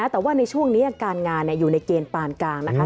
แต่ว่าในช่วงนี้การงานอยู่ในเกณฑ์ปานกลางนะคะ